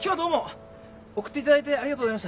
送っていただいてありがとうございました。